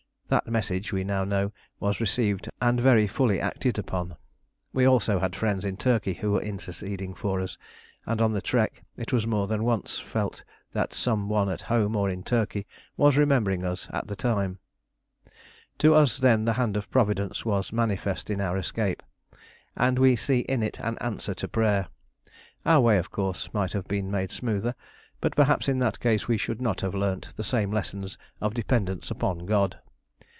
That message, we now know, was received and very fully acted upon. We had also friends in Turkey who were interceding for us; and on the trek it was more than once felt that some one at home or in Turkey was remembering us at the time. To us then the hand of Providence was manifest in our escape, and we see in it an answer to prayer. Our way, of course, might have been made smoother, but perhaps in that case we should not have learnt the same lessons of dependence upon God.